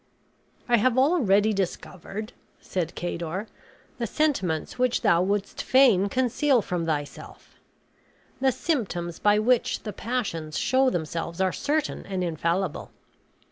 "I have already discovered," said Cador, "the sentiments which thou wouldst fain conceal from thyself. The symptoms by which the passions show themselves are certain and infallible.